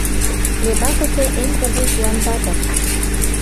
— Лебакысе эн кугу плантатор.